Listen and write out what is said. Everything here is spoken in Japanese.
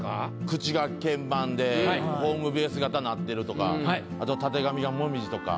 口が鍵盤でホームベース形になってるとかあとはたてがみがもみじとか。